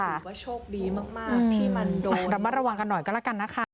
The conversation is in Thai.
ระวัตรระวังกันหน่อยก็แล้วกันนะคะ